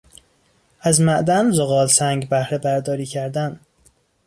از معدن زغالسنگ بهرهبرداری کردن